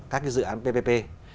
các cái dự án ppp